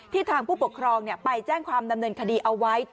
ทางผู้ปกครองไปแจ้งความดำเนินคดีเอาไว้